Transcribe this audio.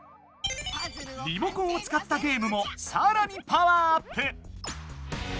リモコンをつかったゲームもさらにパワーアップ！